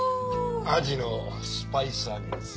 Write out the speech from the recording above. アジのスパイス揚げです。